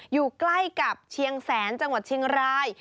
อยู่ใกล้กับเชียงแสนจังหวัดเชียงราย